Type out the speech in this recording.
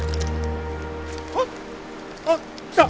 わっ！あっ来た！